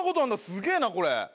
すげえなこれ。